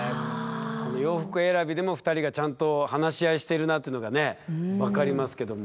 この洋服選びでも２人がちゃんと話し合いしてるなっていうのがね分かりますけども。